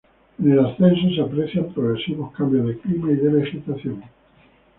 En el ascenso se aprecian progresivos cambios de clima y de vegetación.